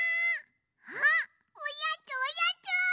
あっおやつおやつ！